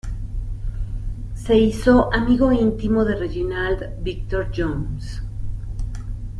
Se hizo amigo íntimo de Reginald Victor Jones.